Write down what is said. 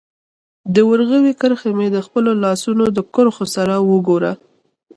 د ورغوي کرښي مي د خپلو لاسونو د کرښو سره وګوره